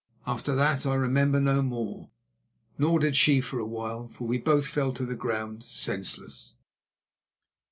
After that I remember no more. Nor did she for a while, for we both fell to the ground senseless.